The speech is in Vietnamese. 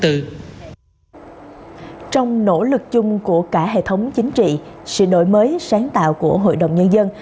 trong nỗ lực chung của cả hệ thống chính trị sự đổi mới sáng tạo của hội đồng nhân dân